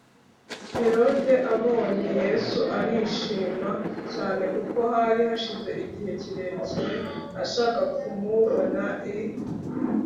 Herode abonye Yesu arishima cyane kuko hari hashize igihe kirekire ashaka kumubona i